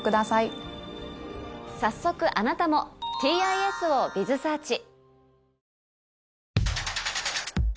早速あなたもＴＩＳをｂｉｚｓｅａｒｃｈ。